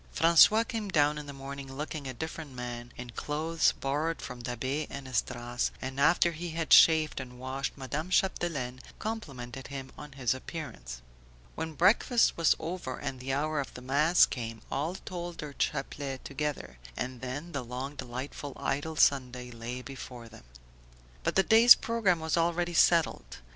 François came down in the morning looking a different man, in clothes borrowed from Da'Be and Esdras, and after he had shaved and washed Madame Chapdelaine complimented him on his appearance. When breakfast was over and the hour of the mass come, all told their chaplet together; and then the long delightful idle Sunday lay before them. But the day's programme was already settled.